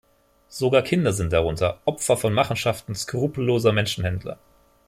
Sogar Kinder sind darunter, Opfer von Machenschaften skrupelloser Menschenhändler.